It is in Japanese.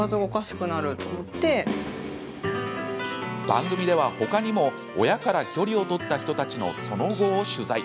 番組では他にも親から距離を取った人たちのその後を取材。